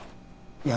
いや